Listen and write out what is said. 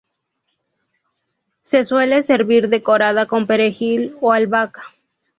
Se suele servir decorada con perejil o albahaca.